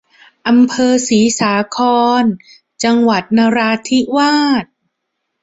อำเภอศรีสาคร จังหวัดนราธิวาส